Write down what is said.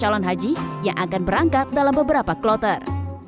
calon haji yang akan berangkat dalam beberapa kloter